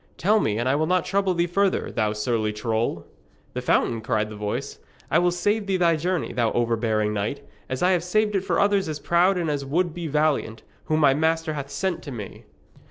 'Tell me, and I will not trouble thee further, thou surly troll.' 'The fountain?' cried the voice. 'I will save thee thy journey, thou overbearing knight, as I have saved it for others as proud and as would be valiant, whom my master hath sent to me!'